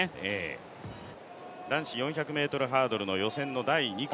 男子４００ｍハードルの予選の第２組。